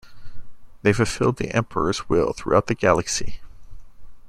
They fulfilled the Emperor's will throughout the galaxy.